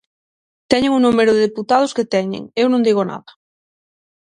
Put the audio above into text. "Teñen o número de deputados que teñen, eu non digo nada".